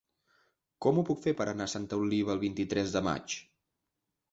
Com ho puc fer per anar a Santa Oliva el vint-i-tres de maig?